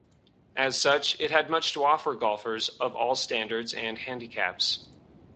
As such, it had much to offer golfers of all standards and handicaps.